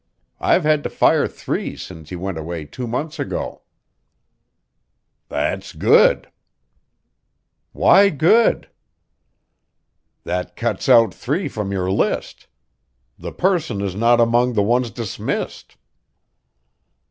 I've had to fire three since he went away two months ago." "That's good." "Why good?" "That cuts out three from your list. _The person is not among the ones dismissed.